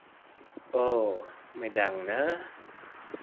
โอ้ ไม่ดังเน้อ